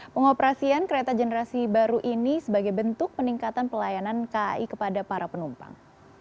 pengoperasian kereta generasi baru ini sebagai bentuk peningkatan pelayanan kai kepada para penumpang